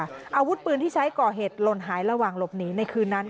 อาวุธปืนที่ใช้ก่อเหตุหล่นหายระหว่างหลบหนีในคืนนั้น